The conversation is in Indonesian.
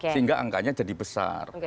sehingga angkanya jadi besar